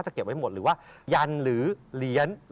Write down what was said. แต่เขาตัดได้มั้ยอันนี้อย่างนี้อย่างนี้